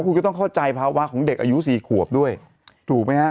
คุณก็ต้องเข้าใจภาวะของเด็กอายุสี่ขวบด้วยถูกไหมฮะ